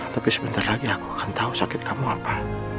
tapi sebentar lagi aku akan tahu sakit kamu apa